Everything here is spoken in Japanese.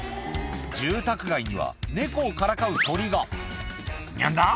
住宅街には猫をからかう鳥が「ニャンだ？